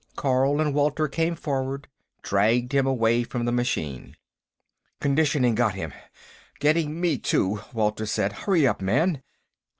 Carl and Walter came forward, dragged him away from the machine. "Conditioning got him. Getting me, too," Walter said. "Hurry up, man!"